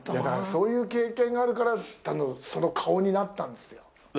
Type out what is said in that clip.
そういう経験があるからその顔になったんですよ。